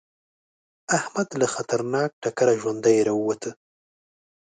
احمد له خطرناک ټکره ژوندی راووته.